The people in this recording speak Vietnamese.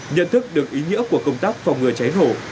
nhận thức được ý nghĩa của công tác phòng ngừa cháy nổ